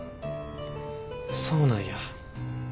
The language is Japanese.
そうなんや。